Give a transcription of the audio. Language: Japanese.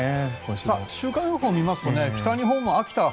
週間予報を見ますと北日本は秋田は